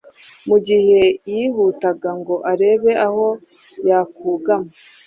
Mu gihe yihutaga ngo arebe aho yakugama